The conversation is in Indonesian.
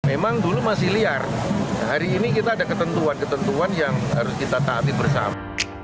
emang dulu masih liar hari ini kita ada ketentuan ketentuan yang harus kita taati bersama